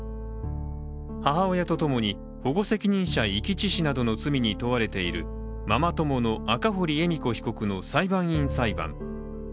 母親と共に保護責任者遺棄致死などの罪に問われているママ友の赤堀恵美子被告の裁判員裁判。